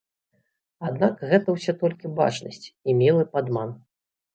Аднак гэта ўсё толькі бачнасць і мілы падман.